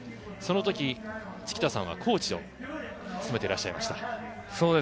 その時、附田さんはコーチを務めていらっしゃいました。